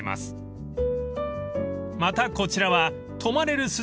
［またこちらは］